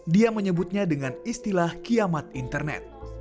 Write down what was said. dia menyebutnya dengan istilah badai matahari